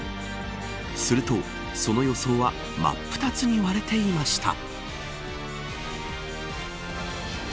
すると、その予想は真っ二つに割れていました。